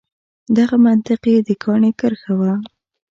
دغه منطق یې د کاڼي کرښه وه.